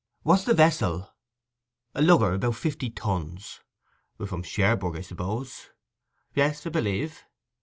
'What's the vessel?' 'A lugger, about fifty tons.' 'From Cherbourg, I suppose?' 'Yes, 'a b'lieve.